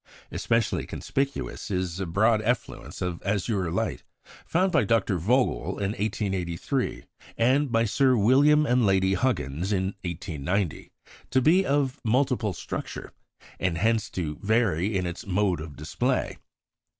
Especially conspicuous is a broad effluence of azure light, found by Dr. Vogel in 1883, and by Sir William and Lady Huggins in 1890, to be of multiple structure, and hence to vary in its mode of display.